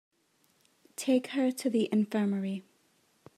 Take her to the infirmary.